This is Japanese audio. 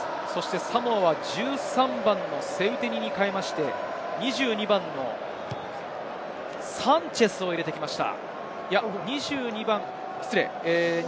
サモアは１３番のセウテニに代わって２２番のサンチェスを入れてきました。